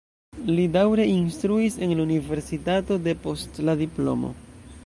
Li daŭre instruis en la universitato depost la diplomo.